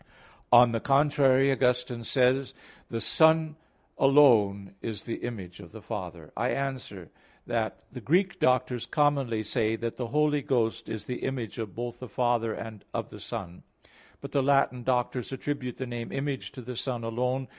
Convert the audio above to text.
On the contrary, Augustine says (De Trin. vi, 2): "The Son alone is the Image of the Father." I answer that, The Greek Doctors commonly say that the Holy Ghost is the Image of both the Father and of the Son; but the Latin Doctors attribute the name Image to the Son alone.